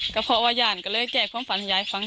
ก็พอกว่าย่านและแก้ความฝันให้ยายฟัง